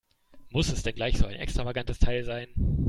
Muss es denn gleich so ein extravagantes Teil sein?